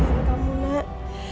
terima kasih juga mbak